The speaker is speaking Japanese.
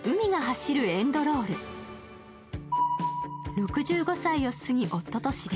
６５歳を過ぎ、夫と死別。